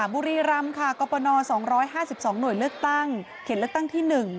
บุรีรำค่ะกรปน๒๕๒หน่วยเลือกตั้งเขตเลือกตั้งที่๑